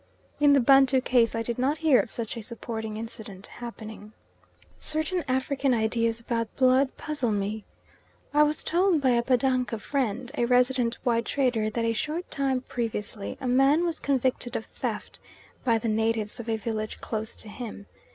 In the Bantu case I did not hear of such a supporting incident happening. Certain African ideas about blood puzzle me. I was told by a Batanga friend, a resident white trader, that a short time previously a man was convicted of theft by the natives of a village close to him.